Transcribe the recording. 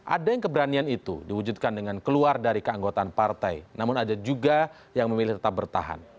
ada yang keberanian itu diwujudkan dengan keluar dari keanggotaan partai namun ada juga yang memilih tetap bertahan